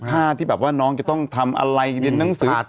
ถ้าที่แบบว่าน้องจะต้องทำอะไรเรียนหนังสือ